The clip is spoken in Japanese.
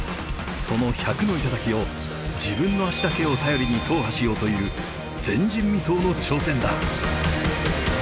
その１００の頂を自分の足だけを頼りに踏破しようという前人未到の挑戦だ。